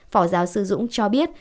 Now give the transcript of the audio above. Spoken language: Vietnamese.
phỏ giáo sư dũng cho biết